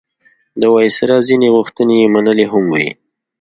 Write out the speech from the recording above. د وایسرا ځینې غوښتنې یې منلي هم وې.